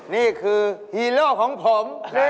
นี่คือฮีโร่ของผม